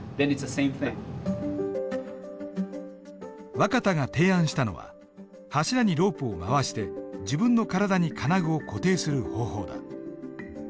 若田が提案したのは柱にロープを回して自分の体に金具を固定する方法だ。